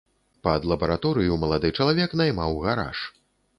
Пад лабараторыю малады чалавек наймаў гараж.